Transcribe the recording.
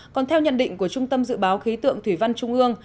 còn theo nhận định của trung tâm dự báo khí tượng thủy văn trung ương